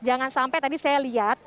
jangan sampai tadi saya lihat